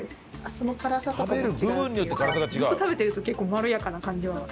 ずっと食べてると結構まろやかな感じは。